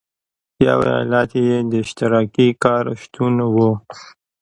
یو علت یې د اشتراکي کار شتون و.